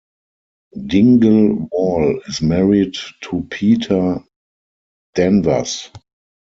Dingle-Wall is married to Peta Danvers.